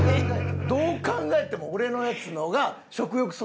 どう考えても俺のやつの方が食欲そそるで。